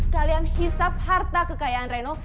kalian hisap harta kekayaan reno